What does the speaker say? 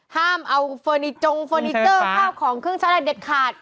ห้ามเอาเฟอร์นิจงเฟอร์นิเจอร์ข้าวของเครื่องใช้อะไรเด็ดขาด